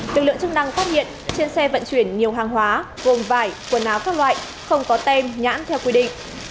lực lượng chức năng phát hiện trên xe vận chuyển nhiều hàng hóa gồm vải quần áo các loại không có tem nhãn theo quy định